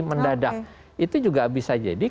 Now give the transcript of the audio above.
mendadak itu juga bisa jadi